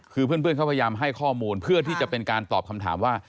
คือเพื่อนเขาพยายามให้ข้อมูลเพื่อที่จะเป็นการตอบคำถามว่า